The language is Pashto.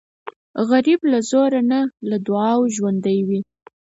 غریب له زوره نه، له دعاو ژوندی وي